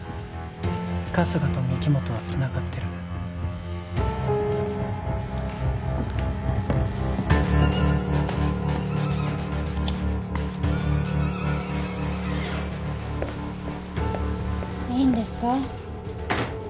春日と御木本はつながってるいいんですか？